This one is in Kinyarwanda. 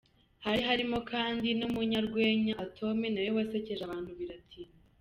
Hari harimo kandi n’umunyarwenya Atome, nawe wasekeje abantu biratinda.